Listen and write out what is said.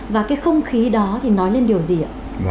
và cái không khí đó thì nói lên điều gì ạ